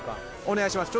お願いします